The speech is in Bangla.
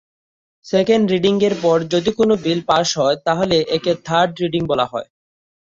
সেকেন্ড রিডিংয়ের পর যদি কোনো বিল পাশ হয় তাহলে একে থার্ড রিডিং বলা হয়।